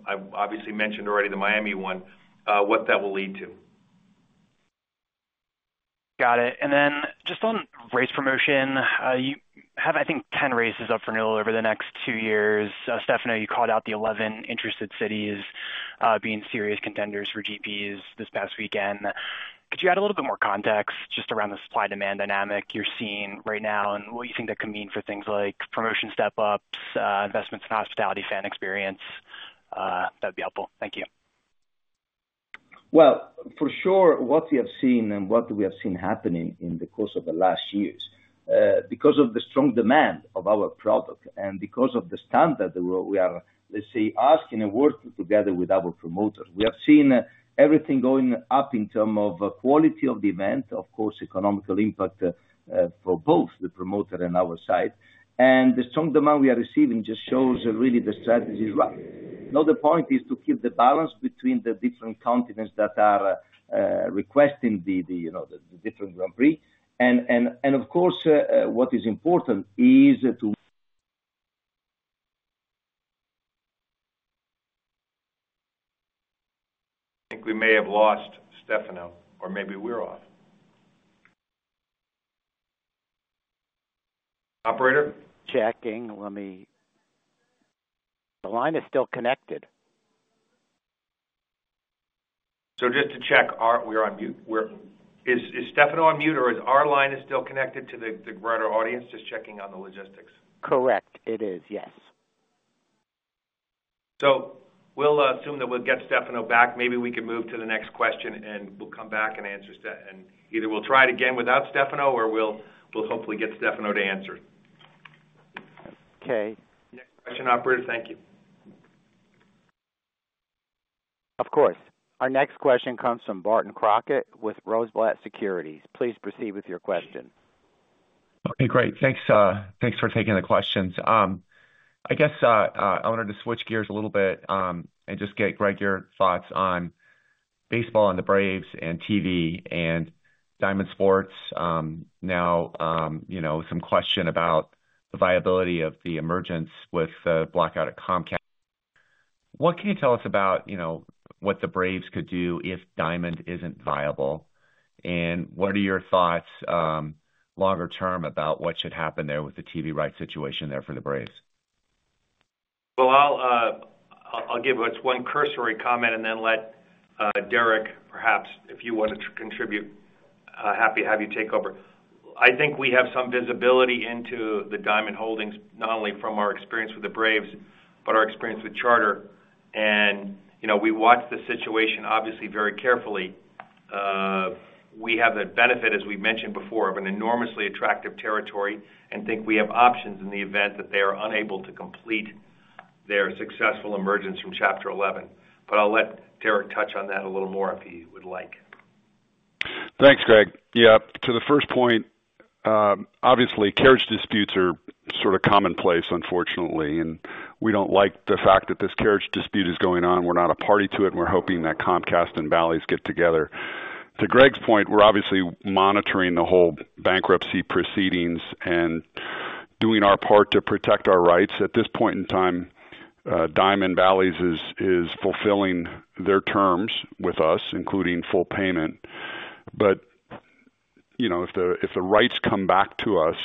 Speaker 3: I've obviously mentioned already, the Miami one, what that will lead to.
Speaker 10: Got it. Then just on race promotion, you have, I think, 10 races up for renewal over the next two years. Stefano, you called out the 11 interested cities being serious contenders for GPs this past weekend. Could you add a little bit more context just around the supply-demand dynamic you're seeing right now and what you think that could mean for things like promotion step-ups, investments in hospitality fan experience? That would be helpful. Thank you.
Speaker 5: Well, for sure, what we have seen and what we have seen happening in the course of the last years, because of the strong demand of our product and because of the standard that we are, let's say, asking and working together with our promoters, we have seen everything going up in terms of quality of the event, of course, economic impact for both the promoter and our side. And the strong demand we are receiving just shows really the strategy is right. Now, the point is to keep the balance between the different continents that are requesting the different Grand Prix. And of course, what is important is to.
Speaker 3: I think we may have lost Stefano, or maybe we're off. Operator?
Speaker 1: Checking. The line is still connected.
Speaker 3: So just to check, we're on mute. Is Stefano on mute, or is our line still connected to the broader audience? Just checking on the logistics.
Speaker 1: Correct. It is, yes.
Speaker 3: So we'll assume that we'll get Stefano back. Maybe we can move to the next question, and we'll come back and answer. And either we'll try it again without Stefano, or we'll hopefully get Stefano to answer. Okay. Next question, operator. Thank you.
Speaker 1: Of course. Our next question comes from Barton Crockett with Rosenblatt Securities. Please proceed with your question.
Speaker 11: Okay. Great. Thanks for taking the questions. I guess I wanted to switch gears a little bit and just get, Greg, your thoughts on baseball and the Braves and TV and Diamond Sports. Now, some question about the viability of the agreement with the blackout at Comcast. What can you tell us about what the Braves could do if Diamond isn't viable? And what are your thoughts longer term about what should happen there with the TV rights situation there for the Braves?
Speaker 3: Well, I'll give just one cursory comment and then let Derek, perhaps if you want to contribute, happy to have you take over. I think we have some visibility into the Diamond Sports Group, not only from our experience with the Braves, but our experience with Charter. And we watch the situation, obviously, very carefully. We have the benefit, as we've mentioned before, of an enormously attractive territory and think we have options in the event that they are unable to complete their successful emergence from Chapter 11. But I'll let Derek touch on that a little more if he would like.
Speaker 12: Thanks, Greg. Yeah. To the first point, obviously, carriage disputes are sort of commonplace, unfortunately. And we don't like the fact that this carriage dispute is going on. We're not a party to it, and we're hoping that Comcast and Bally's get together. To Greg's point, we're obviously monitoring the whole bankruptcy proceedings and doing our part to protect our rights. At this point in time, Diamond Bally's is fulfilling their terms with us, including full payment. But if the rights come back to us,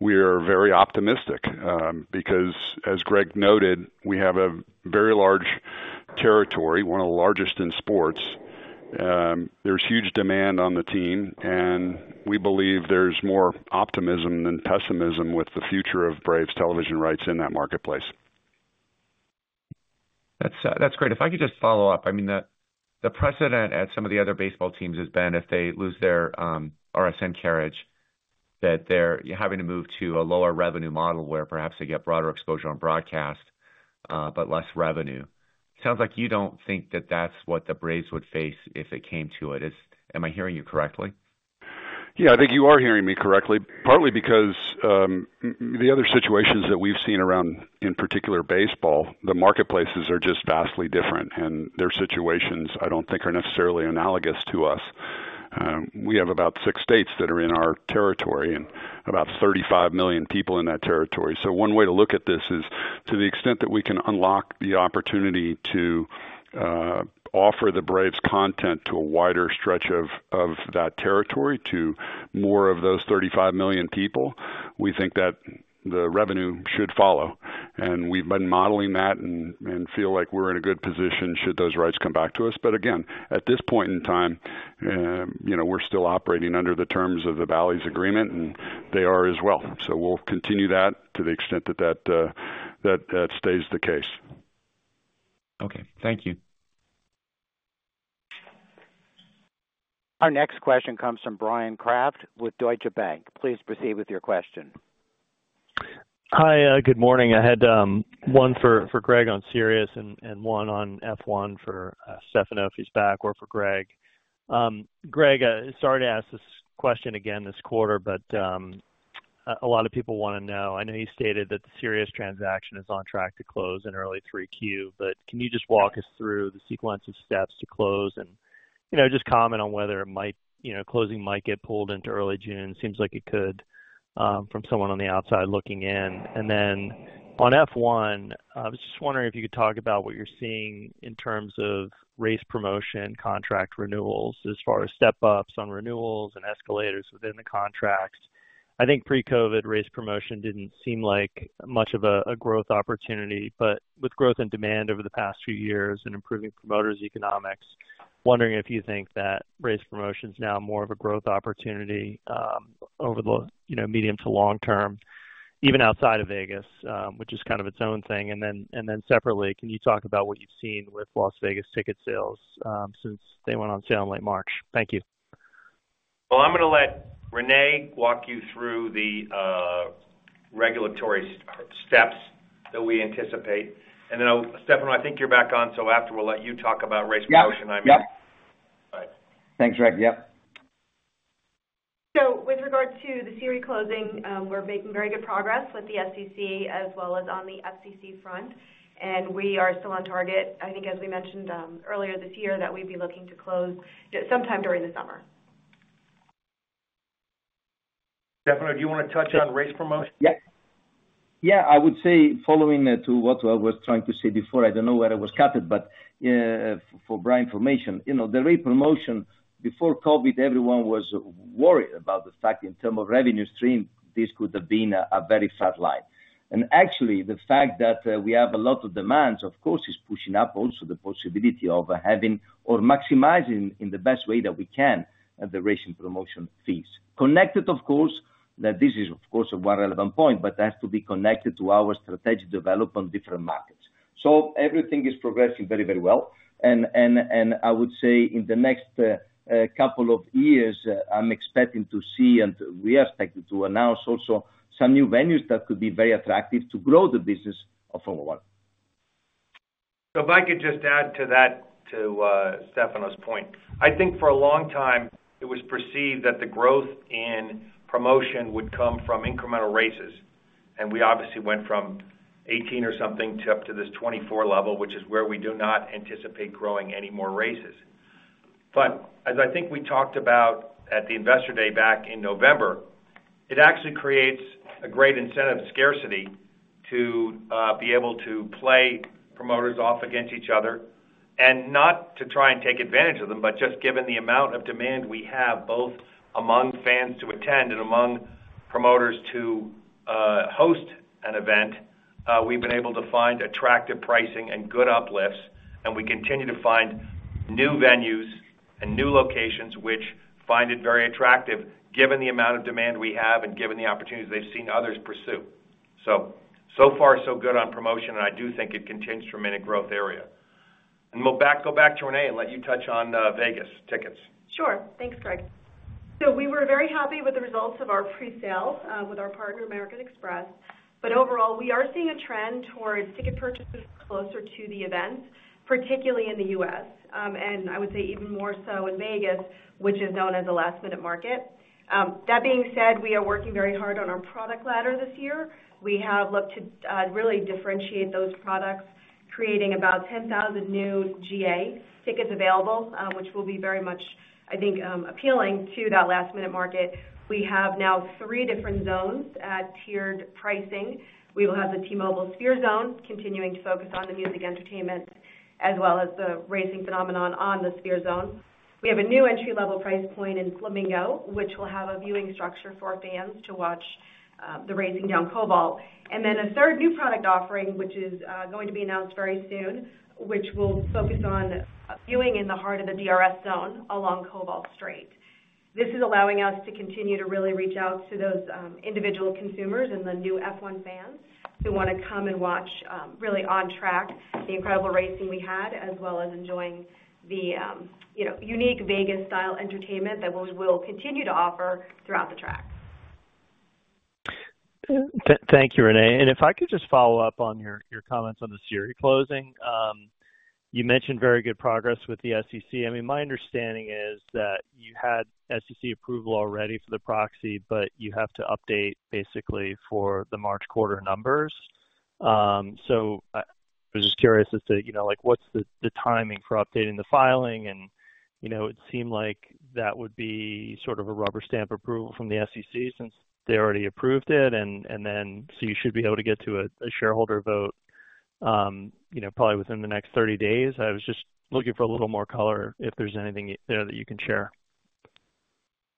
Speaker 12: we are very optimistic because, as Greg noted, we have a very large territory, one of the largest in sports. There's huge demand on the team, and we believe there's more optimism than pessimism with the future of Braves television rights in that marketplace.
Speaker 11: That's great. If I could just follow up, I mean, the precedent at some of the other baseball teams has been, if they lose their RSN carriage, that they're having to move to a lower revenue model where perhaps they get broader exposure on broadcast but less revenue. Sounds like you don't think that that's what the Braves would face if it came to it. Am I hearing you correctly?
Speaker 12: Yeah. I think you are hearing me correctly, partly because the other situations that we've seen around, in particular, baseball, the marketplaces are just vastly different, and their situations, I don't think, are necessarily analogous to us. We have about 6 states that are in our territory and about 35 million people in that territory. So one way to look at this is to the extent that we can unlock the opportunity to offer the Braves content to a wider stretch of that territory, to more of those 35 million people, we think that the revenue should follow. And we've been modeling that and feel like we're in a good position should those rights come back to us. But again, at this point in time, we're still operating under the terms of the Bally's agreement, and they are as well. So we'll continue that to the extent that that stays the case.
Speaker 11: Okay. Thank you.
Speaker 1: Our next question comes from Bryan Kraft with Deutsche Bank. Please proceed with your question.
Speaker 13: Hi. Good morning. I had one for Greg on Sirius and one on F1 for Stefano if he's back or for Greg. Greg, sorry to ask this question again this quarter, but a lot of people want to know. I know you stated that the Sirius transaction is on track to close in early 3Q, but can you just walk us through the sequence of steps to close and just comment on whether closing might get pulled into early June? Seems like it could from someone on the outside looking in. Then on F1, I was just wondering if you could talk about what you're seeing in terms of race promotion contract renewals as far as step-ups on renewals and escalators within the contracts. I think pre-COVID, race promotion didn't seem like much of a growth opportunity. But with growth in demand over the past few years and improving promoters' economics, wondering if you think that race promotion is now more of a growth opportunity over the medium to long term, even outside of Vegas, which is kind of its own thing. And then separately, can you talk about what you've seen with Las Vegas ticket sales since they went on sale in late March? Thank you.
Speaker 3: Well, I'm going to let Renee walk you through the regulatory steps that we anticipate. And then, Stefano, I think you're back on. So after, we'll let you talk about race promotion, I mean.
Speaker 5: Yep. Yep. All right. Thanks, Greg. Yep.
Speaker 14: So with regard to the Sirius closing, we're making very good progress with the SEC as well as on the FCC front. And we are still on target, I think, as we mentioned earlier this year, that we'd be looking to close sometime during
Speaker 3: the summer. Stefano, do you want to touch on race promotion?
Speaker 5: Yeah. Yeah. I would say following to what I was trying to say before. I don't know where it was cut it, but for Brian's information, the race promotion, before COVID, everyone was worried about the fact in terms of revenue stream, this could have been a very flat line. And actually, the fact that we have a lot of demands, of course, is pushing up also the possibility of having or maximizing in the best way that we can the race and promotion fees. Connected, of course, that this is, of course, a more relevant point, but it has to be connected to our strategic development on different markets. So everything is progressing very, very well. And I would say in the next couple of years, I'm expecting to see and we are expected to announce also some new venues that could be very attractive to grow the business of Formula 1.
Speaker 3: So if I could just add to that, to Stefano's point, I think for a long time, it was perceived that the growth in promotion would come from incremental races. We obviously went from 18 or something up to this 24 level, which is where we do not anticipate growing any more races. But as I think we talked about at the investor day back in November, it actually creates a great incentive of scarcity to be able to play promoters off against each other and not to try and take advantage of them, but just given the amount of demand we have both among fans to attend and among promoters to host an event, we've been able to find attractive pricing and good uplifts. We continue to find new venues and new locations, which find it very attractive given the amount of demand we have and given the opportunities they've seen others pursue. So far, so good on promotion, and I do think it continues to remain a growth area. We'll go back to Renee and let you touch on Vegas tickets.
Speaker 14: Sure. Thanks, Greg. So we were very happy with the results of our presale with our partner, American Express. But overall, we are seeing a trend towards ticket purchases closer to the events, particularly in the US, and I would say even more so in Vegas, which is known as a last-minute market. That being said, we are working very hard on our product ladder this year. We have looked to really differentiate those products, creating about 10,000 new GA tickets available, which will be very much, I think, appealing to that last-minute market. We have now three different zones at tiered pricing. We will have the T-Mobile Sphere Zone continuing to focus on the music entertainment as well as the racing phenomenon on the Sphere Zone. We have a new entry-level price point in Flamingo, which will have a viewing structure for fans to watch the racing down Koval. And then a third new product offering, which is going to be announced very soon, which will focus on viewing in the heart of the DRS zone along Koval Strait. This is allowing us to continue to really reach out to those individual consumers and the new F1 fans who want to come and watch really on track the incredible racing we had as well as enjoying the unique Vegas-style entertainment that we'll continue to offer throughout the track.
Speaker 13: Thank you, Renee. If I could just follow up on your comments on the Sirius closing, you mentioned very good progress with the SEC. I mean, my understanding is that you had SEC approval already for the proxy, but you have to update, basically, for the March quarter numbers. So I was just curious as to what's the timing for updating the filing. It seemed like that would be sort of a rubber stamp approval from the SEC since they already approved it. Then so you should be able to get to a shareholder vote probably within the next 30 days. I was just looking for a little more color if there's anything there that you can share.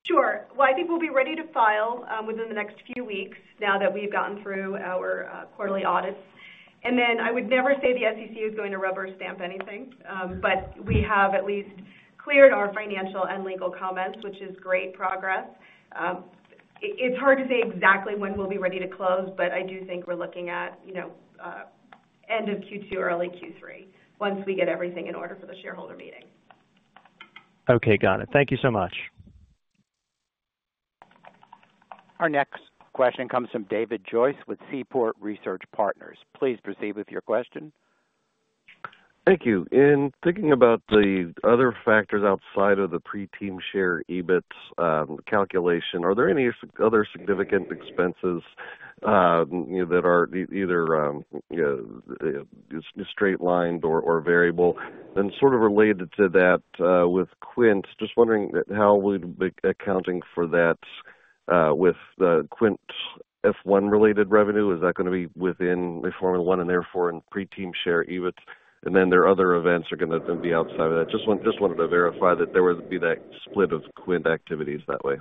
Speaker 14: Sure. Well, I think we'll be ready to file within the next few weeks now that we've gotten through our quarterly audits. I would never say the SEC is going to rubber stamp anything, but we have at least cleared our financial and legal comments, which is great progress.
Speaker 5: It's hard to say exactly when we'll be ready to close, but I do think we're looking at end of Q2, early Q3 once we get everything in order for the shareholder meeting.
Speaker 13: Okay. Got it. Thank you so much.
Speaker 1: Our next question comes from David Joyce with Seaport Research Partners. Please proceed with your question.
Speaker 15: Thank you. In thinking about the other factors outside of the pre-team share EBIT calculation, are there any other significant expenses that are either straight-lined or variable? And sort of related to that with Quint, just wondering how we'd be accounting for that with the Quint F1-related revenue. Is that going to be within Formula 1 and therefore in pre-team share EBIT? And then there are other events that are going to be outside of that. Just wanted to verify that there would be that split of Quint activities that way.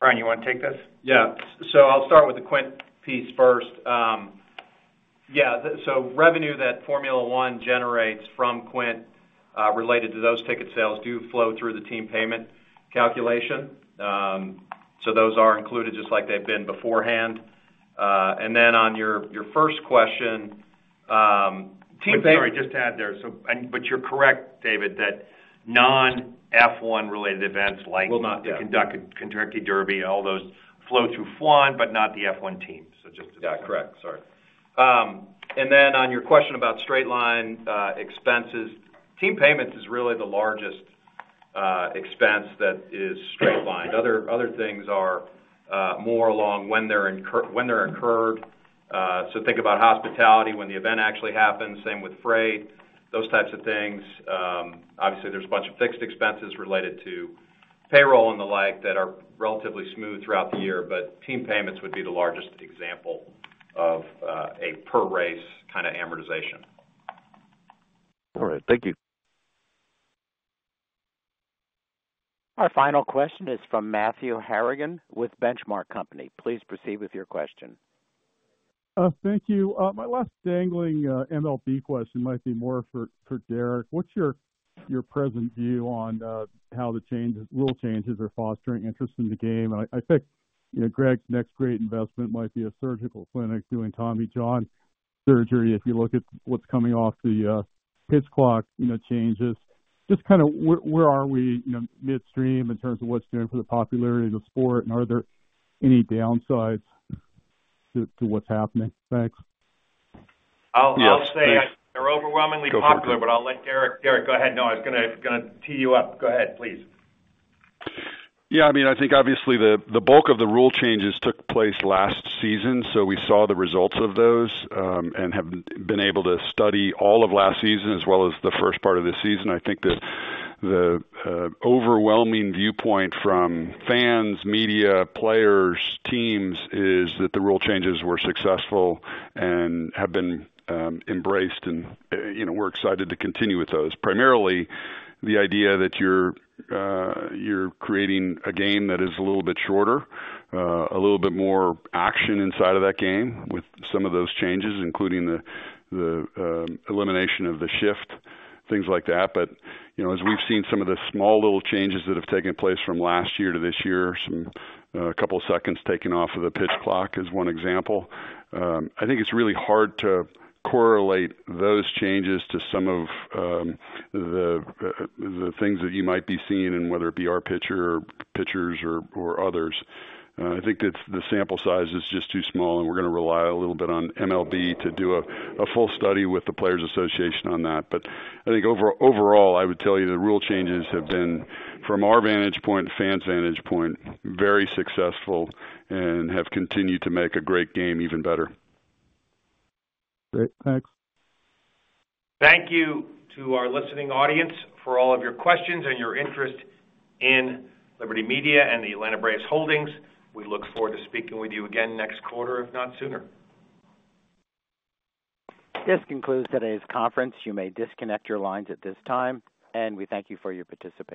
Speaker 3: Brian, you want to take this?
Speaker 4: Yeah. So I'll start with the Quint piece first. Yeah. So revenue that Formula 1 generates from Quint related to those ticket sales do flow through the team payment calculation. So those are included just like they've been beforehand. And then on your first question, team payment.
Speaker 3: I'm sorry. Just to add there, but you're correct, David, that non-F1-related events like the Kentucky Derby, all those flow through F1 but not the F1 team. So just to clarify.
Speaker 4: Yeah. Correct. Sorry. And then on your question about straight-line expenses, team payments is really the largest expense that is straight-lined. Other things are more along when they're incurred. So think about hospitality when the event actually happens, same with freight, those types of things. Obviously, there's a bunch of fixed expenses related to payroll and the like that are relatively smooth throughout the year, but team payments would be the largest example of a per-race kind of amortization.
Speaker 15: All right. Thank you.
Speaker 1: Our final question is from Matthew Harrigan with Benchmark Company. Please proceed with your question.
Speaker 16: Thank you. My last dangling MLB question might be more for Derek. What's your present view on how the rule changes are fostering interest in the game? And I think Greg's next great investment might be a surgical clinic doing Tommy John surgery if you look at what's coming off the pitch clock changes. Just kind of where are we midstream in terms of what it's doing for the popularity of the sport, and are there any downsides to what's happening? Thanks.
Speaker 3: I'll say they're overwhelmingly popular, but I'll let Derek. Derek, go ahead. No, I was going to tee you up. Go ahead, please.
Speaker 12: Yeah. I mean, I think obviously, the bulk of the rule changes took place last season, so we saw the results of those and have been able to study all of last season as well as the first part of this season. I think the overwhelming viewpoint from fans, media, players, teams is that the rule changes were successful and have been embraced, and we're excited to continue with those. Primarily, the idea that you're creating a game that is a little bit shorter, a little bit more action inside of that game with some of those changes, including the elimination of the shift, things like that. But as we've seen some of the small little changes that have taken place from last year to this year, a couple of seconds taken off of the pitch clock is one example. I think it's really hard to correlate those changes to some of the things that you might be seeing in whether it be our pitcher or pitchers or others. I think the sample size is just too small, and we're going to rely a little bit on MLB to do a full study with the Players Association on that. But I think overall, I would tell you the rule changes have been, from our vantage point, fans' vantage point, very successful and have continued to make a great game even better.
Speaker 16: Great. Thanks.
Speaker 3: Thank you to our listening audience for all of your questions and your interest in Liberty Media and the Atlanta Braves Holdings. We look forward to speaking with you again next quarter, if not sooner.
Speaker 1: This concludes today's conference. You may disconnect your lines at this time. We thank you for your participation.